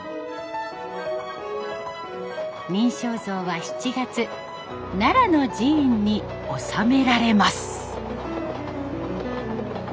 忍性像は７月奈良の寺院に納められます。